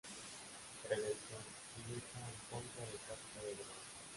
Prevención y lucha en contra del tráfico de drogas.